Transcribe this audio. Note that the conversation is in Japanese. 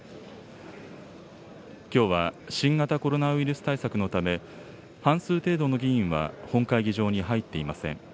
きょうは新型コロナウイルス対策のため、半数程度の議員は本会議場に入っていません。